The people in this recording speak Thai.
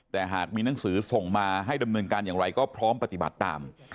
แต่หากมีหนังสือส่งมาให้ดำเนินการอย่างไรก็พร้อมปฏิบัติตาม